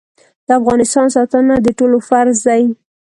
د افغانستان ساتنه د ټولو فرض دی